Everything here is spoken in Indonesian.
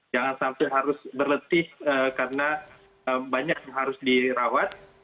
jangan sampai harus berletih karena banyak yang harus dirawat